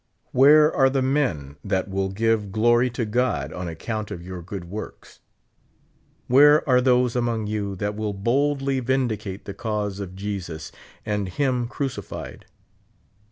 Where are the men that will give glory^ to God on account of your good works? Where are those among you that will boldly vindicate the cause of Jesus and him cruci fied?